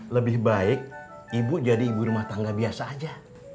lebih baik ibu jadi ibu rumah tangga biasa aja